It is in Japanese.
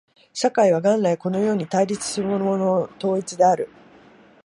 社会は元来このように対立するものの統一である。